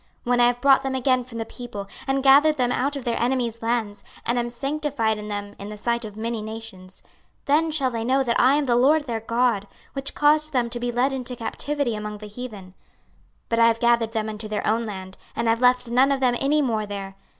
26:039:027 When I have brought them again from the people, and gathered them out of their enemies' lands, and am sanctified in them in the sight of many nations; 26:039:028 Then shall they know that I am the LORD their God, which caused them to be led into captivity among the heathen: but I have gathered them unto their own land, and have left none of them any more there.